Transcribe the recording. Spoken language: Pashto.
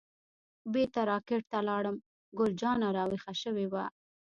بیرته را کټ ته لاړم، ګل جانه راویښه شوې وه.